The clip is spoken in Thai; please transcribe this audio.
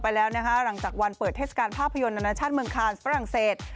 ไปแล้วนะคะหลังจากวันเปิดเทศกาลภาพยนตร์นานาชาติเมืองคานฝรั่งเศส